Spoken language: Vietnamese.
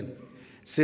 sự nghiệp phát triển